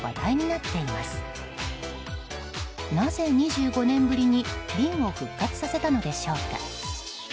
なぜ２５年ぶりに瓶を復活させたのでしょうか。